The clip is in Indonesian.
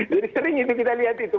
jadi sering itu kita lihat itu